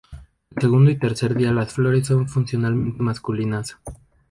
El segundo y tercer día las flores son funcionalmente masculinas.